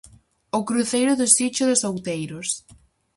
O cruceiro do Sicho dos Outeiros.